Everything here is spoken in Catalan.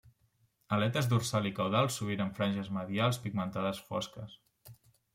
Aletes dorsal i caudal sovint amb franges medials pigmentades fosques.